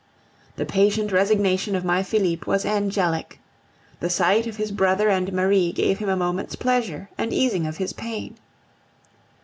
The patient resignation of my Felipe was angelic. The sight of his brother and Marie gave him a moment's pleasure and easing of his pain.